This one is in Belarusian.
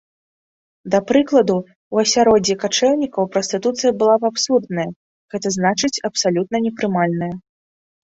Да прыкладу, у асяроддзі качэўнікаў, прастытуцыя была б абсурдная, гэта значыць абсалютна непрымальная.